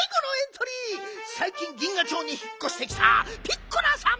さいきん銀河町にひっこしてきたピッコラさん。